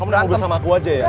kamu udah ngobrol sama aku aja ya